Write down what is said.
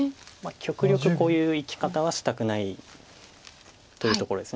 極力こういう生き方はしたくないというところです。